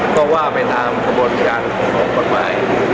ก็ว่าไปทำกระบวนต์การฝวกกฎมาย